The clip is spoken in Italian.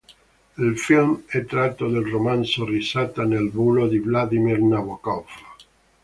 Il film è tratto dal romanzo "Risata nel buio" di Vladimir Nabokov.